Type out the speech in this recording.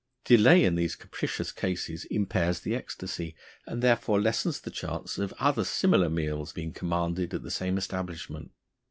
Delay in these capricious cases impairs the ecstasy, and therefore lessens the chance of other similar meals being commanded at the same establishment.